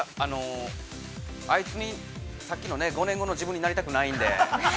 ◆あいつにさっきのね５年後の自分になりたくないので。